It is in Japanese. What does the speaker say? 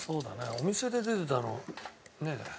お店で出てたのねえ。